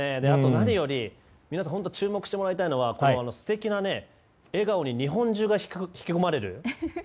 何より皆さんに注目してもらいたいのは素敵な笑顔に日本中が引き込まれる。